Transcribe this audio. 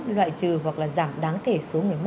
loại trừ hoặc là giảm đáng kể số